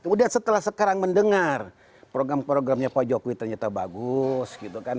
udah setelah sekarang mendengar program programnya pak jokowi ternyata bagus gitu kan